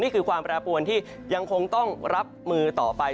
ความแปรปวนที่ยังคงต้องรับมือต่อไป